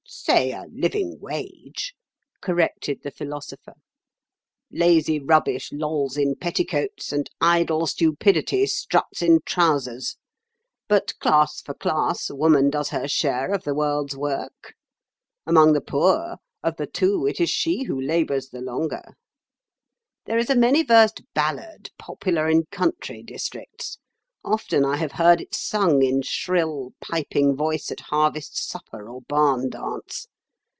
"Say a living wage," corrected the Philosopher. "Lazy rubbish lolls in petticoats, and idle stupidity struts in trousers. But, class for class, woman does her share of the world's work. Among the poor, of the two it is she who labours the longer. There is a many versed ballad popular in country districts. Often I have heard it sung in shrill, piping voice at harvest supper or barn dance.